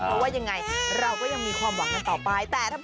เพราะว่ายังไงเราก็ยังมีความหวังกันต่อไป